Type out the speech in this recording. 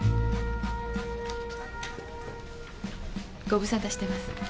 ごぶさたしてます。